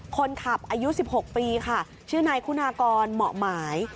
คนขับอายุ๑๖ปีค่ะชื่อนายคุณากรเหมาะหมาย